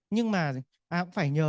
nhưng mà cũng phải nhờ